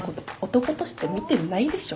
男として見てないでしょ。